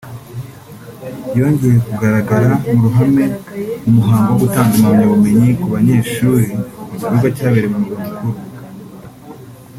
yongeye kugaragara mu ruhame mu muhango wo gutanga impamyabumenyi ku banyeshuri mu gikorwa cyabereye mu Murwa Mukuru